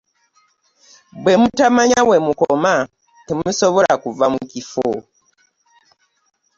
Bwe mutamanya we mukoma temusobola kuva mu kifo.